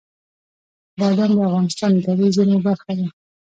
بادام د افغانستان د طبیعي زیرمو برخه ده.